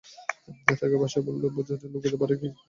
তাকে ভাষায় বললে বোঝায়, লুকোতে পার, ফাঁকি দিতে পারবে না।